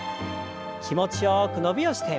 気持ちよく伸びをして。